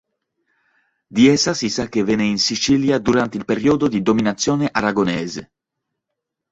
Di essa si sa che venne in Sicilia durante il periodo di dominazione aragonese.